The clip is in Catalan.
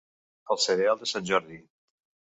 El cereal de sant Jordi.